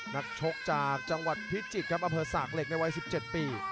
นักชกจากจังหวัดพิจิตรครับอำเภอสากเหล็กในวัย๑๗ปี